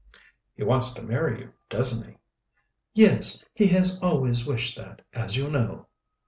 "He wants to marry you, doesn't he?" "Yes, he has always wished that, as you know."